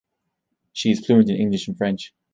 She is fluent in English and French.